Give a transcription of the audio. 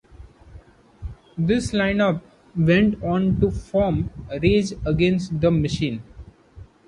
This line-up went on to form Rage Against the Machine.